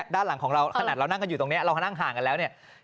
ด้านหลังของเราขนาดเรานั่งกันอยู่ตรงนี้เราก็นั่งห่างกันแล้วเนี่ย